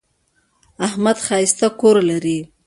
احمد ښایسته کور لري.